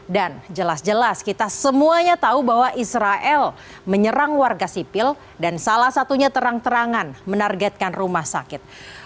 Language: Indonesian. dan jelas jelas kita semuanya tahu bahwa israel menyerang warga sipil dan salah satunya terang terangan menargetkan rumah sakit